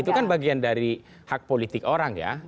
itu kan bagian dari hak politik orang ya